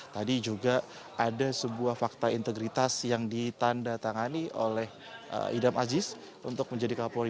tadi juga ada sebuah fakta integritas yang ditanda tangani oleh idam aziz untuk menjadi kapolri